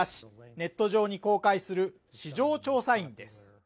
ネット上に公開する市場調査員です